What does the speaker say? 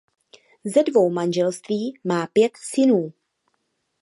Ze dvou manželství má pět synů.